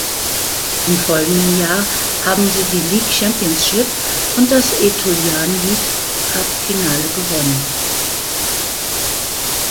Im folgenden Jahr haben sie die League Championship und das Aetolian League Cup-Finale gewonnen.